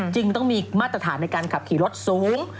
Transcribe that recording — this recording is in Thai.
จึงต้องมีมาตรฐานในการขับขี่รถสูง